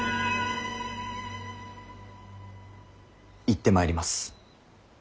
行ってまいります。